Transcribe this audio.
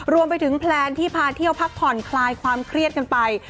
รวมไปถึงแพลนที่พาเที่ยวพักผ่อนคลายความเครียดกันไป